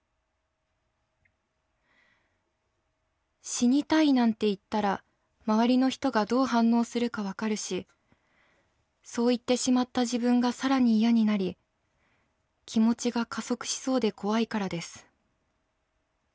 死にたいなんて言ったら周りの人がどう反応するかわかるしそう言ってしまった自分がさらに嫌になり気持ちが加速しそうで怖いからです。